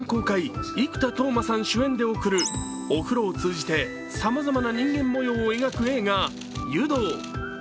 来年公開、生田斗真さん主演で送るお風呂を通じてさまざまな人間模様を描く映画「湯道」